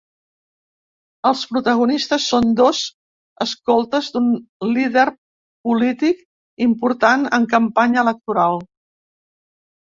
Els protagonistes són dos escoltes d’un líder polític important en campanya electoral.